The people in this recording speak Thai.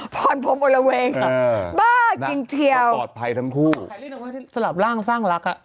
ใครเรียนเรื่องที่สลับร่างสร้างรัก